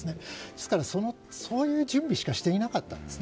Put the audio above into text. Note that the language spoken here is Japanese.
ですから、そういう準備しかしていなかったんです。